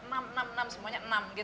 enam enam semuanya enam